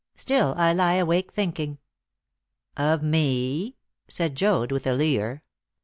Still, I lie awake thinking." "Of me?" said Joad with a leer.